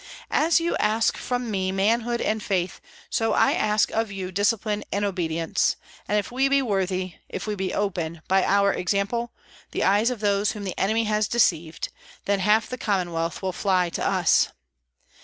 As you ask from me manhood and faith, so I ask of you discipline and obedience; and if we be worthy, if we open, by our example, the eyes of those whom the enemy has deceived, then half the Commonwealth will fly to us!